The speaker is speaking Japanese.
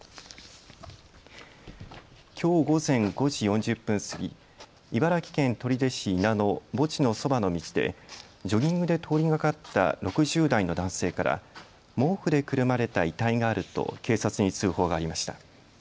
きょう午前５時４０分過ぎ、茨城県取手市稲の墓地のそばの道でジョギングで通りがかった６０代の男性から毛布でくるまれた遺体があると警察に通報がありました。